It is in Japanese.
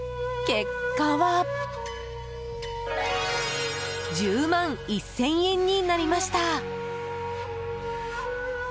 結果は１０万１０００円になりました。